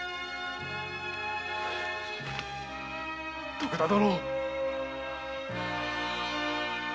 徳田殿。